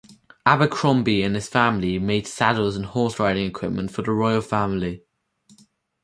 Abercromby and his family made saddles and horseriding equipment for the royal family.